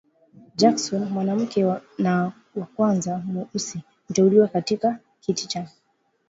Jackson, mwanamke wa kwanza mweusi kuteuliwa katika kiti cha